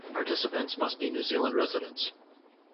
Participants must be New Zealand residents.